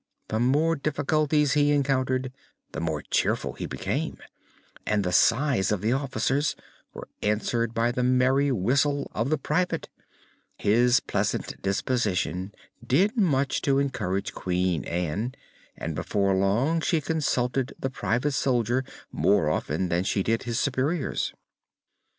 The more difficulties he encountered the more cheerful he became, and the sighs of the officers were answered by the merry whistle of the Private. His pleasant disposition did much to encourage Queen Ann and before long she consulted the Private Soldier more often than she did his superiors.